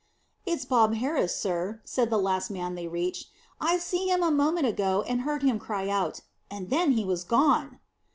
"It's Bob Harris, sir," said the last man they reached. "I see him a moment ago, and heard him cry out, and then he was gone."